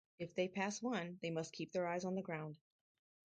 If they pass one, they must keep their eyes on the ground.